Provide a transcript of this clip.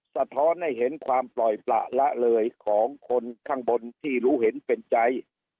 สะท้อนให้เห็นความปล่อยประละเลยของคนข้างบนที่รู้เห็นเป็นใจ